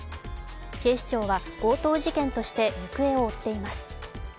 警視庁は強盗事件として行方を追っています。